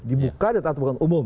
dibuka di atas umum